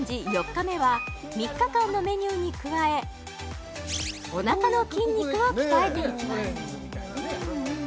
４日目は３日間のメニューに加えおなかの筋肉を鍛えていきます